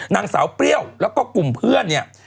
นางสาวเปรี้ยวแล้วก็กลุ่มเพื่อนเนี่ย